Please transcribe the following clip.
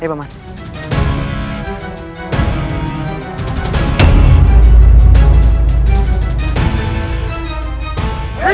hidup raden kian santang